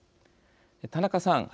田中さん